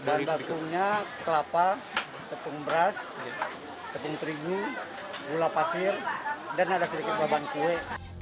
bahan bakunya kelapa tepung beras tepung terigu gula pasir dan ada sedikit bahan kue